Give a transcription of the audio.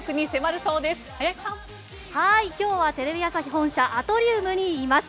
今日はテレビ朝日本社アトリウムにいます。